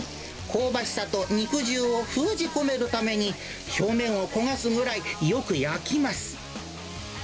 香ばしさと肉汁を封じ込めるために、表面を焦がすぐらいよく焼きます。